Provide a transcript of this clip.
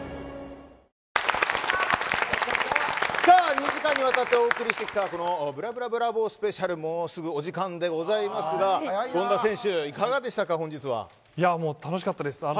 ２時間にわたってお送りしてきたブラブラブラボースペシャル！！ももうすぐお時間でございますが権田選手楽しかったです。